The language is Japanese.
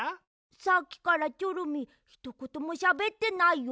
さっきからチョロミーひとこともしゃべってないよ。